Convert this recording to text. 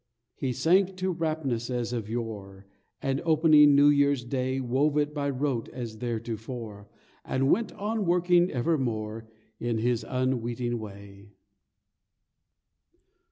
He sank to raptness as of yore, And opening New Year's Day Wove it by rote as theretofore, And went on working evermore In his unweeting way.